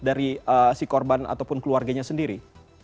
dari si korban ataupun keluarganya sendiri